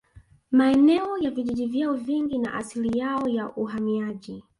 Maeneo ya vijiji vyao vingi na asili yao ya uhamaji